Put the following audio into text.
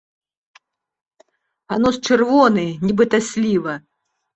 А нос чырвоны, нібыта сліва.